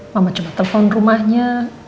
mama coba telepon rumahnya